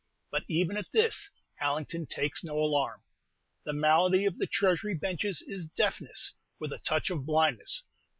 But even at this, Allington takes no alarm. The malady of the Treasury benches is deafness, with a touch of blindness.